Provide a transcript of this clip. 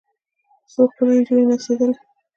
څو ښکلې نجونې نڅېدلې.